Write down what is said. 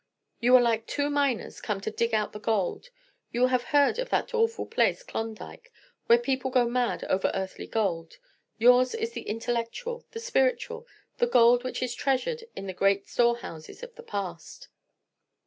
You are like two miners come to dig out the gold. You have heard of that awful place, Klondike, where people go mad over earthly gold. Yours is the intellectual, the spiritual, the gold which is treasured in the great storehouses of the past."